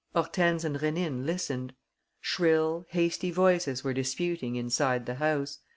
Hortense and Rénine listened. Shrill, hasty voices were disputing inside the house.